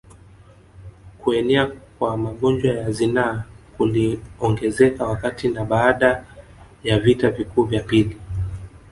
Kuenea kwa magonjwa ya zinaa kuliongezeka wakati na baada ya vita vikuu vya pili